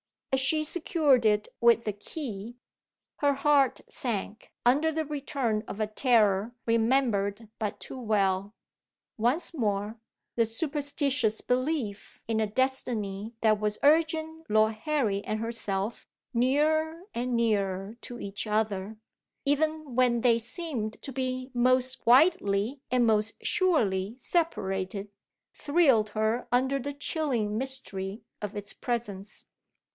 As she secured it with the key, her heart sank under the return of a terror remembered but too well. Once more, the superstitious belief in a destiny that was urging Lord Harry and herself nearer and nearer to each other, even when they seemed to be most widely and most surely separated, thrilled her under the chilling mystery of its presence.